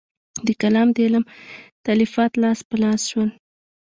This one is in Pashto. د کلام د علم تالیفات لاس په لاس شول.